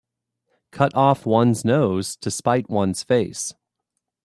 Cut off one's nose to spite one's face.